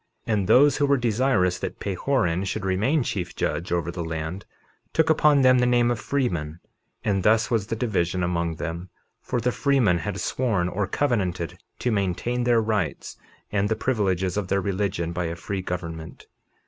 51:6 And those who were desirous that Pahoran should remain chief judge over the land took upon them the name of freemen; and thus was the division among them, for the freemen had sworn or covenanted to maintain their rights and the privileges of their religion by a free government.